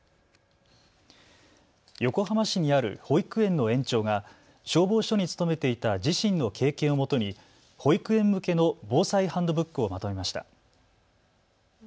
横浜市にある保育園の園長が消防署に勤めていた自身の経験をもとに保育園向けの防災ハンドブックをまとめました。